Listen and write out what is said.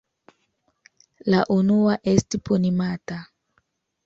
La unua esti Puni-mata.